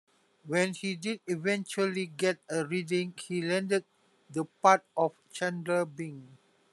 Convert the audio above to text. When he did eventually get a reading, he landed the part of Chandler Bing.